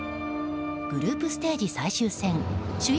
グループステージ最終戦首位